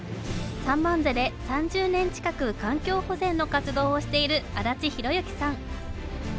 三番瀬で３０年近く環境保全の活動をしている安達宏之さん。